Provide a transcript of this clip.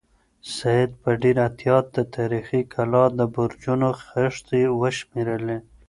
سعید په ډېر احتیاط د تاریخي کلا د برجونو خښتې وشمېرلې.